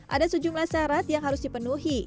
ada sejumlah syarat yang harus dipenuhi